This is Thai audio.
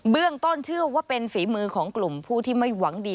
ต้นเชื่อว่าเป็นฝีมือของกลุ่มผู้ที่ไม่หวังดี